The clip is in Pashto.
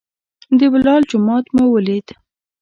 د بلال جومات مو ولید.